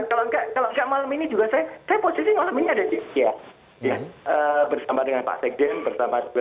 kalau nggak kalau malam ini juga saya saya posisi malam ini ada di ruhut bersama dengan pak sekden bersama juga